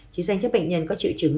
chỉ dành cho bệnh nhân có triệu chứng